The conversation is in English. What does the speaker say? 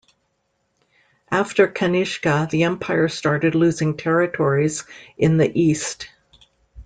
After Kanishka, the empire started losing territories in the east.